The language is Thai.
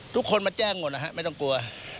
ทุกคนมาแจ้งหมดนะฮะไม่ต้องกลัว